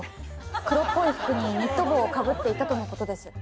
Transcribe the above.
黒っぽい服にニット帽をかぶっていたとのことです。